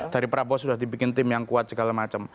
dari prabowo sudah dibikin tim yang kuat segala macam